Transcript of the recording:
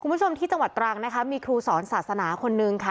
คุณผู้ชมที่จังหวัดตรังนะคะมีครูสอนศาสนาคนนึงค่ะ